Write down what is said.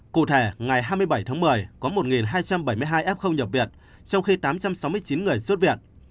cụ thể ngày hai mươi bảy tháng một mươi có một hai trăm bảy mươi hai f nhập viện trong khi tám trăm sáu mươi chín người xuất viện